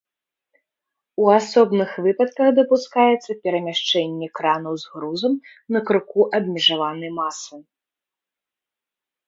У асобных выпадках дапускаецца перамяшчэнне кранаў з грузам на круку абмежаванай масы.